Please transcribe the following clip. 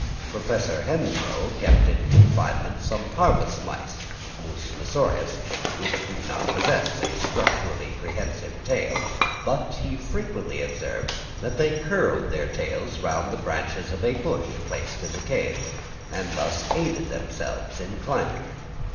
Professor Henslow kept in confinement some harvest mice (Mus messorius) which do not possess a structurally prehensive tail; but he frequently observed that they curled their tails round the branches of a bush placed in the cage, and thus aided themselves in climbing.